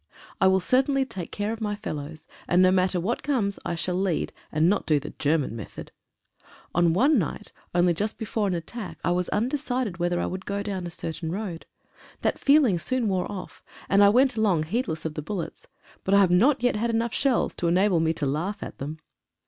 I will certainly take care of m;y fellows, and no matter what comes I shall lead, and not do the German method. On one night only just before an attack I was undecided whether I would go down a certain road. That feeling soon wore off, and I went along heedless of the bullets, but I have not yet had enough shells to enable me to laugh at them.